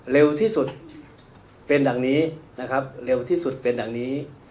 เร็วที่สุดเป็นอย่างนี้นะครับเร็วที่สุดเป็นอย่างนี้